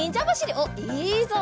おっいいぞ。